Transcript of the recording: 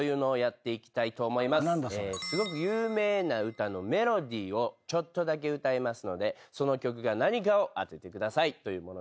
すごく有名な歌のメロディーをちょっとだけ歌いますのでその曲が何かを当ててください。